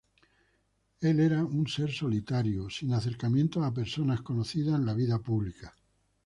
Él era un ser solitario, sin acercamientos a personas conocidas en la vida pública.